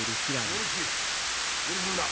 梅錦無理すんな。